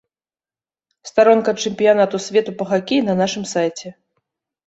Старонка чэмпіянату свету па хакеі на нашым сайце.